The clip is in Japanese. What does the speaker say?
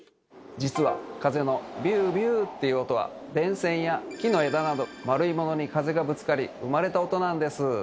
実は風の「ビュービュー」っていう音は電線や木の枝など丸いものに風がぶつかり生まれた音なんです。